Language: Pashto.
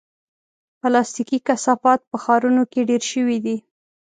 پلاستيکي کثافات په ښارونو کې ډېر شوي دي.